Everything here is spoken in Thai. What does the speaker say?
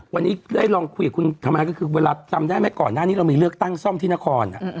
วันนี้ได้ลองคุยกับคุณทำไมก็คือเวลาจำได้ไหมก่อนหน้านี้เรามีเลือกตั้งซ่อมที่นคร